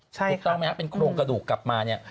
ถูกต้องไหมครับเป็นโครงกระดูกกลับมาเนี่ย